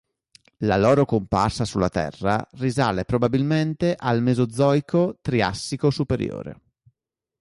La loro comparsa sulla Terra risale probabilmente al Mesozoico Triassico superiore.